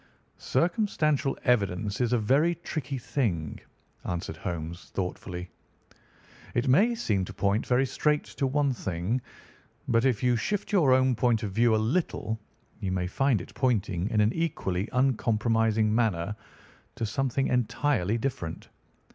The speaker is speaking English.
"Circumstantial evidence is a very tricky thing," answered Holmes thoughtfully. "It may seem to point very straight to one thing, but if you shift your own point of view a little, you may find it pointing in an equally uncompromising manner to something entirely different.